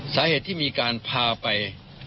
สาเหตุที่มีการพาไป